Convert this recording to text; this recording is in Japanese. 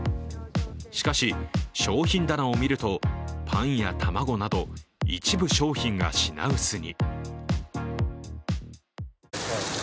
しかし、商品棚を見ると、パンや卵など、一部商品が品薄に。